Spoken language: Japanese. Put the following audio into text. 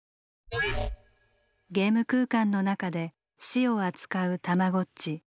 ゲーム空間の中で「死」を扱う「たまごっち」。